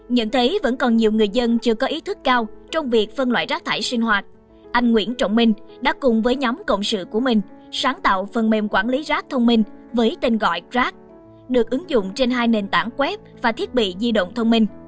nhận thấy vẫn còn nhiều người dân chưa có ý thức cao trong việc phân loại rác thải sinh hoạt anh nguyễn trọng minh đã cùng với nhóm cộng sự của mình sáng tạo phần mềm quản lý rác thông minh với tên gọi rac được ứng dụng trên hai nền tảng web và thiết bị di động thông minh